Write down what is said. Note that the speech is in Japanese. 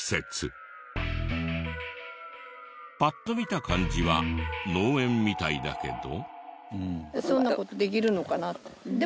パッと見た感じは農園みたいだけど。